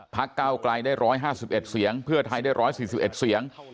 ก้าวไกลได้๑๕๑เสียงเพื่อไทยได้๑๔๑เสียง